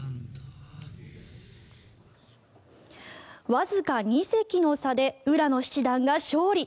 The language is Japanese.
わずか２石の差で浦野七段が勝利。